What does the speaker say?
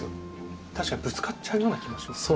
確かにぶつかっちゃうような気もしますね。